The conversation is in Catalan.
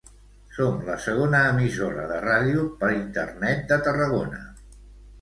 Som la segona emissora de ràdio per Internet de Tarragona.